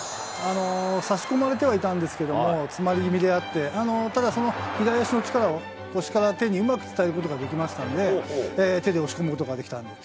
差し込まれてはいたんですけれども、詰まり気味であって、ただ、その左足の力を腰から手にうまく伝えることができたので、手で押し込むことができたんです。